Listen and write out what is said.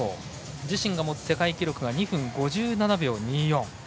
自身が持つ世界記録が２分５７秒２４。